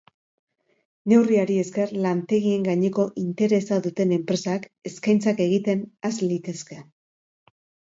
Neurriari esker lantegien gaineko interesa duten enpresak eskaintzak egiten has litezke.